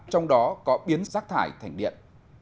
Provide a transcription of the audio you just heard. trong đó có biến rác thải thành điện